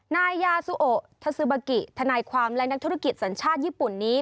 นายยาซูโอทาซูบากิทนายความและนักธุรกิจสัญชาติญี่ปุ่นนี้